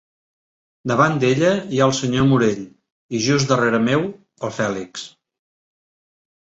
Davant d'ella hi ha el senyor Morell i just darrere meu, el Fèlix.